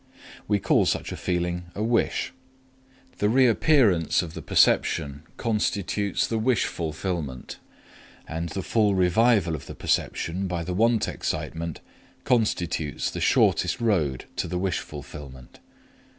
We call such a feeling a wish; the reappearance of the perception constitutes the wish fulfillment, and the full revival of the perception by the want excitement constitutes the shortest road to the wish fulfillment.